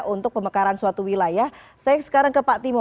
untuk pemekaran suatu wilayah saya sekarang ke pak timo